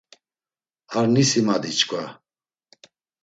Ar nisimadi çkva.